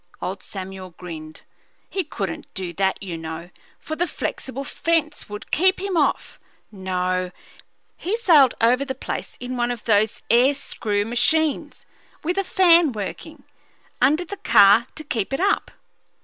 Old Samuel grinned. "He couldn't do that, you know, for the flexible fence would keep him off. No; he sailed over the place in one of those air screw machines, with a fan workin' under the car to keep it up."